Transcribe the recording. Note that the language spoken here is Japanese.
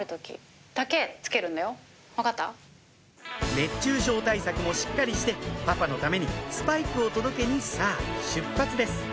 熱中症対策もしっかりしてパパのためにスパイクを届けにさぁ出発です！